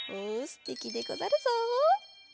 すてきでござるぞ。